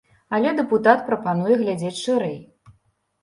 Але дэпутат прапануе глядзець шырэй.